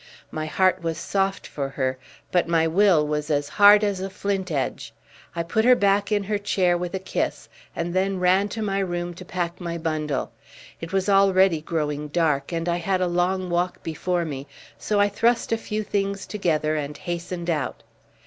My heart was soft for her, but my will was as hard as a flint edge. I put her back in her chair with a kiss, and then ran to my room to pack my bundle. It was already growing dark, and I had a long walk before me, so I thrust a few things together and hastened out.